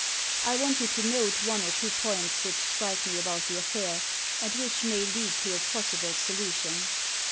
I want you to note one or two points which strike me about the affair, and which may lead to a possible solution.